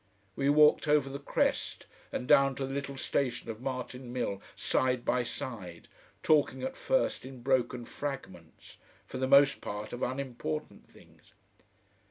We walked over the crest and down to the little station of Martin Mill side by side, talking at first in broken fragments, for the most part of unimportant things.